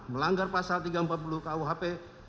melanggar pasal tiga ratus empat puluh kuhp